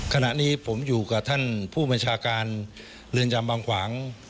ขณะนี้ผมอยู่กับท่านผู้บัญชาการเรือนจำบางขวาง